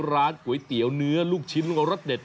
ร้านก๋วยเตี๋ยวเนื้อลูกชิ้นแล้วก็รสเด็ด